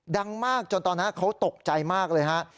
ดังมากจนตอนนั้นเขาตกใจมากเลยฮะ